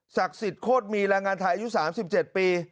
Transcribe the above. สิทธิ์โคตรมีแรงงานไทยอายุ๓๗ปี